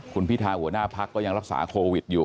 คุณพิธาหัวหน้าพักก็ยังรักษาโควิดอยู่